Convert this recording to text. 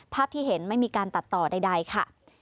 ภาพที่เห็นไม่มีการตัดต่อใดค่ะ